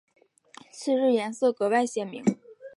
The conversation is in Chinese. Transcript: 次日颜色格外鲜明。